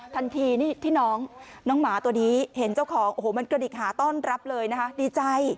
ทันทีนี่ที่น้องหมาตัวนี้เห็นเจ้าของโอ้โหมันกระดิกหาต้อนรับเลยนะคะดีใจ